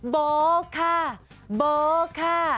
โบ๊ค่ะโบ๊ค่ะ